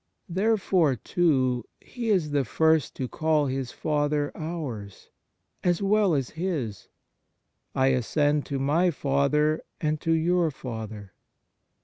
Therefore, too, He is the first to call His Father ours, as well as His: " I ascend to my Father and to your Father."